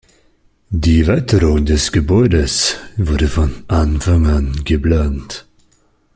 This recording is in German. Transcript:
Die Erweiterung des Gebäudes wurde von Anfang an geplant.